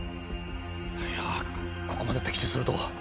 いやぁここまで的中するとは。